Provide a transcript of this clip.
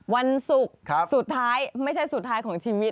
วันศุกร์สุดท้ายไม่ใช่สุดท้ายของชีวิต